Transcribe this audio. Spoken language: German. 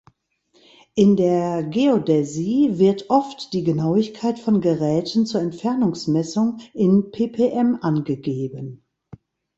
In der Geodäsie wird oft die Genauigkeit von Geräten zur Entfernungsmessung in ppm angegeben.